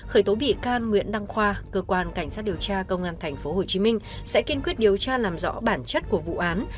khởi tố bị can nguyễn đăng khoa cơ quan cảnh sát điều tra công an tp hcm sẽ kiên quyết điều tra làm rõ bản chất của vụ án